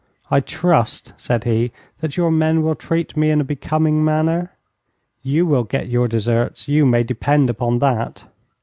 'I trust,' said he, 'that your men will treat me in a becoming manner.' 'You will get your deserts you may depend upon that.'